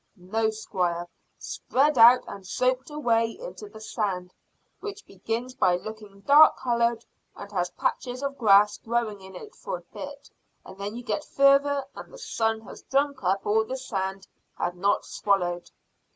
"No, squire; spread out and soaked away into the sand, which begins by looking dark coloured and has patches of grass growing in it for a bit, and then you get farther and the sun has drunk up all the sand had not swallowed."